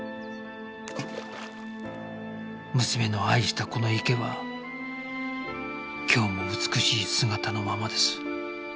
娘の愛したこの池は今日も美しい姿のままです